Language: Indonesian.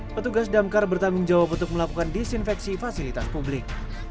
petugas damkar bertanggung jawab untuk melakukan disinfeksi fasilitas publik